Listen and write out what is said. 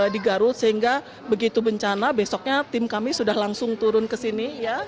di garut sehingga begitu bencana besoknya tim kami sudah langsung turun ke sini